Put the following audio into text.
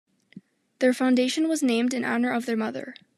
Their foundation was named in honor of their mother.